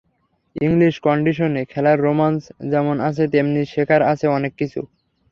English কন্ডিশনে খেলার রোমাঞ্চ যেমন আছে, তেমনি শেখার আছে অনেক কিছু।